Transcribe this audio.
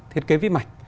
thiết kế ví mạch